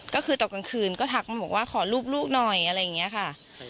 ก็คือตอนกลางคืนก็ทักมาบอกว่าขอรูปลูกหน่อยอะไรอย่างนี้ค่ะ